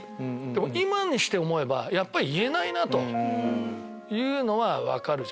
でも今にして思えば言えないなというのは分かる。